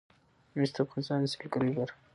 مس د افغانستان د سیلګرۍ برخه ده.